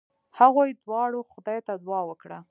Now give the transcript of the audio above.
هغوی دواړو خدای ته دعا وکړه.